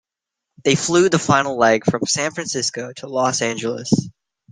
They flew the final leg from San Francisco to Los Angeles.